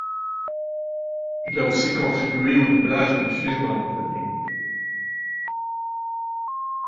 Il a aussi contribué au doublage des films en italien.